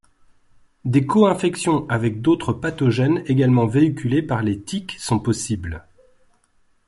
Des co-infections avec d'autres pathogènes également véhiculés par les tiques sont possibles.